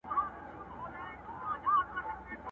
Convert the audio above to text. بس که! آسمانه نور یې مه زنګوه!.